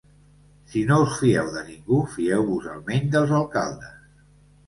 Si no us fieu de ningú, fieu-vos al menys dels alcaldes.